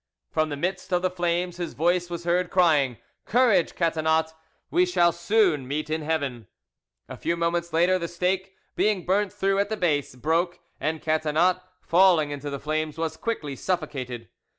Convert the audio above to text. From the midst of the flames his voice was heard saying, "Courage, Catinat; we shall soon meet in heaven." A few moments later, the stake, being burnt through at the base, broke, and Catinat falling into the flames, was quickly suffocated.